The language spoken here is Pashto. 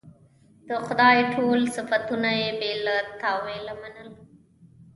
د خدای ټول صفتونه یې بې له تأویله منل.